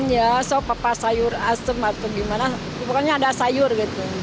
ya sok papa sayur asem atau gimana pokoknya ada sayur gitu